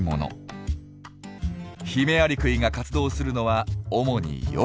ヒメアリクイが活動するのは主に夜。